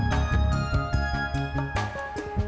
si diego udah mandi